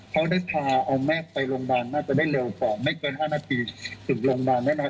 เขาได้พาเอาแม่ไปโรงพยาบาลน่าจะได้เร็วกว่าไม่เกิน๕นาทีถึงโรงพยาบาลแน่นอน